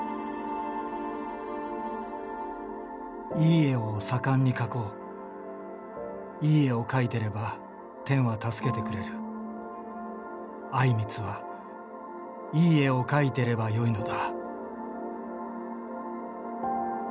「いい絵を盛んに描こういい絵を描いてれば天は助けてくれる靉光はいい絵を描いてればよいのだ」。